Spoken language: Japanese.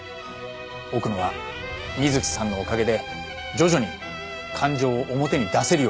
奥野は美月さんのおかげで徐々に感情を表に出せるようになったんです。